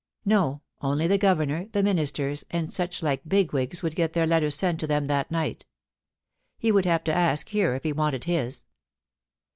No, only the Governor, the Ministers, and such like big wigs would get their letters sent to them that night He would have to ask here if he wanted his.